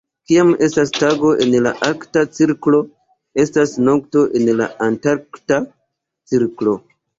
Kiam estas tago en la Arkta Cirklo estas nokto en la Antarkta Cirklo.